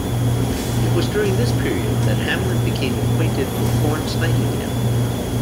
It was during this period that Hamlin became acquainted with Florence Nightingale.